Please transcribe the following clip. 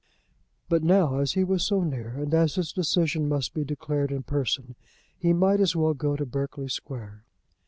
But now, as he was so near, and as his decision must be declared in person, he might as well go to Berkeley Square.